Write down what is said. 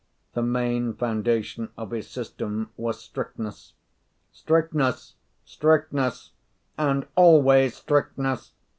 The main foundation of his system was strictness. "Strictness, strictness, and always strictness!"